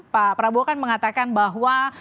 pak prabowo kan mengatakan bahwa